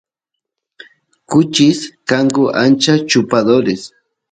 kuchis kanku ancha chupadores